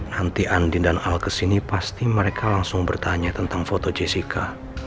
nanti andi dan al kesini pasti mereka langsung bertanya tentang foto jessica